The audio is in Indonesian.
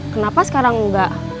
kenapa sekarang enggak